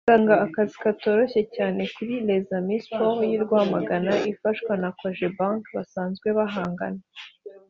izatanga akazi katoroshye cyane kuri Les Amis Sports y’i Rwamagana ifashwa na Cogebanque basanzwe bahangana